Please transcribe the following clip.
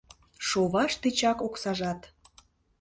Шоваш тичак оксажат